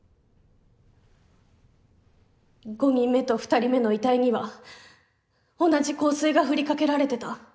５人目と２人目の遺体には同じ香水が振りかけられてた。